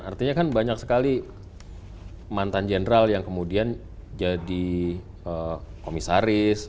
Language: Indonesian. artinya kan banyak sekali mantan jenderal yang kemudian jadi komisaris